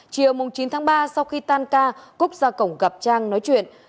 chiều chín tháng ba sau khi tan ca cúc ra cổng gặp trang nói chuyện